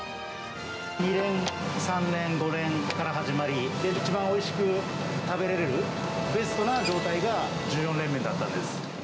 ２連、３連、５連から始まり、一番おいしく食べれるベストな状態が１４連麺だったんです。